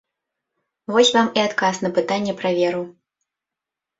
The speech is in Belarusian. Вось вам і адказ на пытанне пра веру.